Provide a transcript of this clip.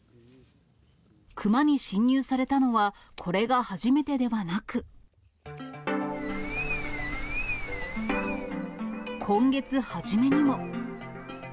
熊に侵入されたのはこれが初めてではなく、今月初めにも。